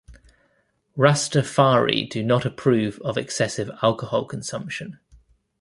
Rastafari do not approve of excessive alcohol consumption.